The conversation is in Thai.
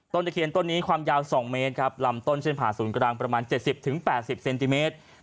ต้นตะเขียนต้นนี้ความยาว๒เมตรลำต้นเช่นผ่านศูนย์กระดังประมาณ๗๐๘๐เซนติเมตร